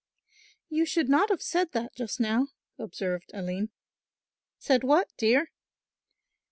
"You should not have said that just now," observed Aline. "Said what, dear?"